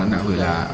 đã gửi là